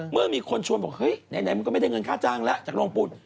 เมื่อมีคนชวนบอกเฮ้ยไหนมันก็ไม่ได้เงินค่าจ้างแล้วจากโรงปูน